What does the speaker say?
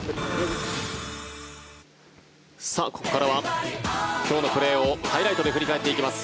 ここからは今日のプレーをハイライトで振り返っていきます。